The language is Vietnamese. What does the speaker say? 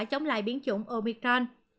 chống lại biến chủng omicron